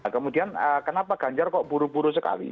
kemudian kenapa ganjar kok buru buru sekali